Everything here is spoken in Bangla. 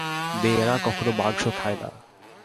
মেয়েরা কখনও মাংস খায় না।